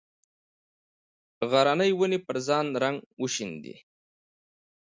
غرنې ونې پر ځان رنګ وشیندي